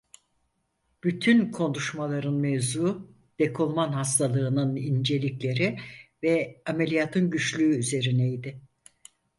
Bütün konuşmaların mevzuu dekolman hastalığının incelikleri ve ameliyatın güçlüğü üzerindeydi.